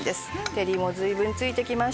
照りも随分ついてきましたね。